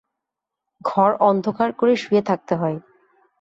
ঘর অন্ধকার করে শুয়ে থাকতে হয়।